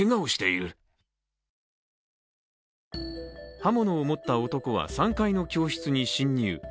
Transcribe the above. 刃物を持った男は３階の教室に侵入。